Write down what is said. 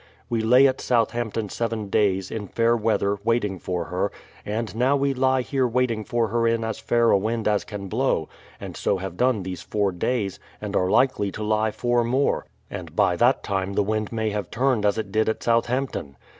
We lay at Southampton seven days, in fair weather, waiting for her; and now we lie here waiting for her in as fair a wind as can blow, and so have done these four days, and are likely to lie four more, and by that time the wind may have turned as it did at South ampton.